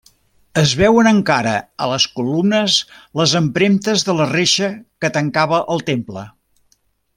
Es veuen encara a les columnes les empremtes de la reixa que tancava el temple.